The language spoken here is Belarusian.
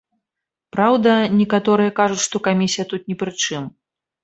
Праўда, некаторыя кажуць, што камісія тут не пры чым.